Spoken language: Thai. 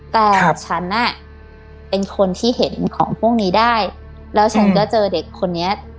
แต่ฉันน่ะเป็นคนที่เห็นของพวกนี้ได้แล้วฉันก็เจอเด็กคนนี้